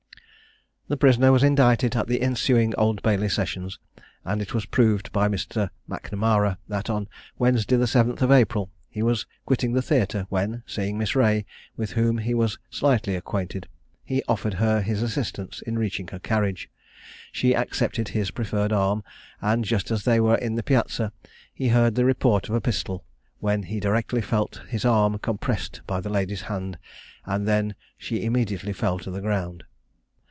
The prisoner was indicted at the ensuing Old Bailey sessions, and it was proved by Mr. MacNamara, that on Wednesday, the 7th of April, he was quitting the theatre, when seeing Miss Reay, with whom he was slightly acquainted, he offered her his assistance in reaching her carriage. She accepted his preferred arm, and just as they were in the piazza he heard the report of a pistol, when he directly felt his arm compressed by the lady's hand, and she then immediately fell to the ground.